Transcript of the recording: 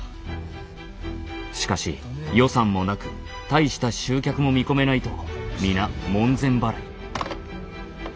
しかし予算もなく大した集客も見込めないと皆門前払い。